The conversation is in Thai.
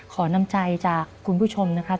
ขอน้ำใจจากคุณผู้ชมนะครับ